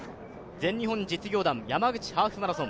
全日本実業団山口ハーフマラソン。